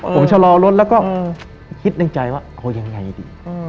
ผมชะลอรถแล้วก็คิดในใจว่าเอายังไงดี